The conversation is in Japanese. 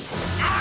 あ！